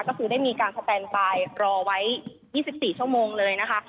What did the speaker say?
ก็คือได้มีการสแตนบายรอไว้๒๔ชั่วโมงเลยนะคะ